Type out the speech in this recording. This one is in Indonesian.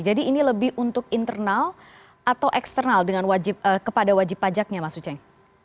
jadi ini lebih untuk internal atau eksternal kepada wajib pajaknya mas uceng